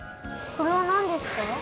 これはなんですか？